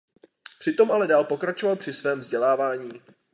Přitom ale dál pokračoval při ve svém vzdělávání.